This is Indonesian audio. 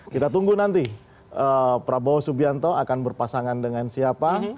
kita tunggu nanti prabowo subianto akan berpasangan dengan siapa